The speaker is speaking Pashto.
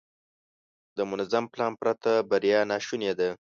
د منظم پلان پرته بریا ناشونې ده.